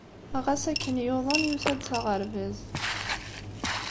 Ɣas akken yuḍen yusa-d s aɣerbaz.